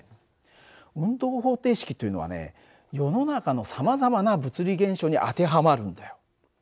運動方程式というのはね世の中のさまざまな物理現象に当てはまるんだよ。